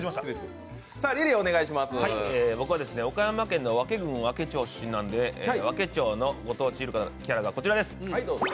僕は岡山県の和気郡和気町出身なんで和気町のご当地ゆるキャラがこちらです。